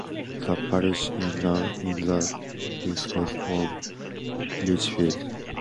The parish is now in the Diocese of Lichfield.